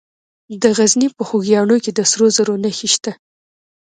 د غزني په خوږیاڼو کې د سرو زرو نښې شته.